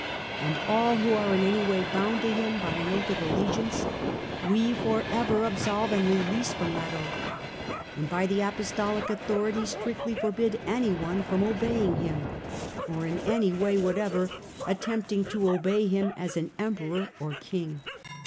And all who are in any way bound to him by an oath of allegiance, we for ever absolve and release from that oath, and by the apostolic authority strictly forbid anyone from obeying him, or in any way whatever attempting to obey him as an Emperor or King.